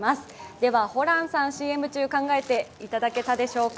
ではホランさん、ＣＭ中考えていただけたでしょうか。